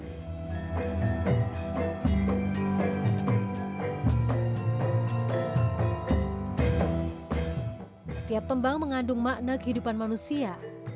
setiap tembang mengandung makna kehidupan manusia